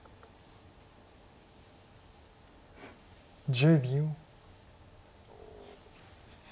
１０秒。